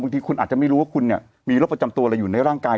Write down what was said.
ทีคุณอาจจะไม่รู้ว่าคุณมีโรคประจำตัวอะไรอยู่ในร่างกาย